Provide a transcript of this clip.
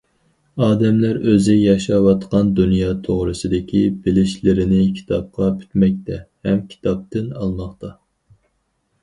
ئادەملەر ئۆزى ياشاۋاتقان دۇنيا توغرىسىدىكى بىلىشلىرىنى كىتابقا پۈتمەكتە ھەم كىتابتىن ئالماقتا.